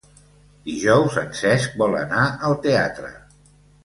Dijous en Cesc vol anar al teatre.